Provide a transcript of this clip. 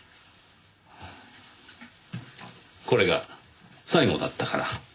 これが最後だったから。